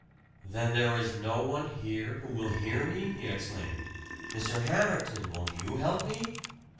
"Then there is no one here who will hear me?" he exclaimed. "Mr. Hamerton, won't you help me?"